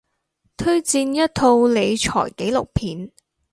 推薦一套理財紀錄片